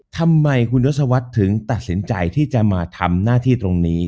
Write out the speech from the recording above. ทำไมคุณยศวรรษถึงตัดสินใจที่จะมาทำหน้าที่ตรงนี้